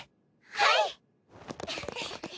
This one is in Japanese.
はい！